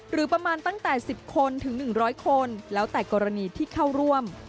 หรือประมาณตั้งแต่๑๐คนถึง๑๐๐คนแล้วแต่กรณีที่เข้าร่วม